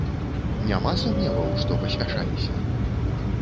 Няма сумневаў, што паспяшаліся?